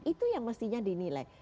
itu yang mestinya dinilai